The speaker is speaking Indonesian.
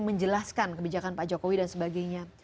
menjelaskan kebijakan pak jokowi dan sebagainya